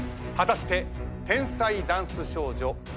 果たして天才ダンス少女